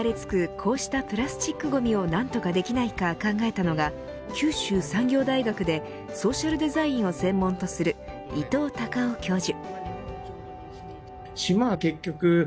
こうしたプラスチックごみを何とかできないか考えたのが九州産業大学でソーシャルデザインを専門とする伊藤敬生教授。